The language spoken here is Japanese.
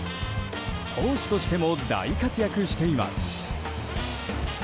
投手としても大活躍しています。